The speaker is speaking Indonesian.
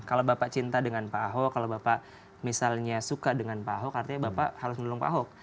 kalau bapak cinta dengan pak ahok kalau bapak misalnya suka dengan pak ahok artinya bapak harus mendukung pak ahok